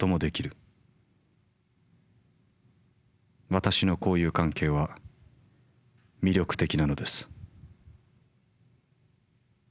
私の交友関係は魅力的なのです。